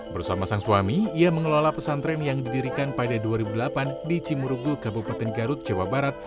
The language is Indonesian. bersama sang suami ia mengelola pesantren yang didirikan pada dua ribu delapan di cimurugul kabupaten garut jawa barat